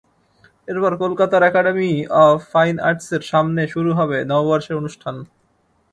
এরপর কলকাতার academy of fine আর্টসের সামনে শুরু হবে নববর্ষের অনুষ্ঠান।